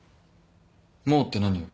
もう？って何よ。